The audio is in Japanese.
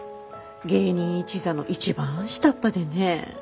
芸人一座の一番下っ端でね。